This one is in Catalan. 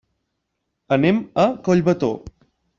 Anem a Collbató.